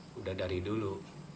sudah dari dulu